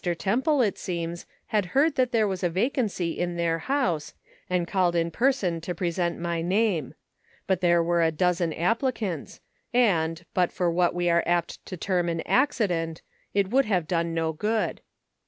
Temple, it seems, had heard that there was a vacancy in their house, and called in person to present my name ; but there were a dozen applicants, and, but for what we are apt to term an accident, it would have done no good.